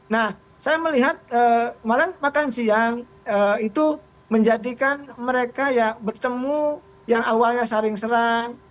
nah saya melihat malam makan siang itu menjadikan mereka ya bertemu yang awalnya saling serang